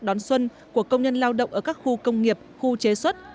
đón xuân của công nhân lao động ở các khu công nghiệp khu chế xuất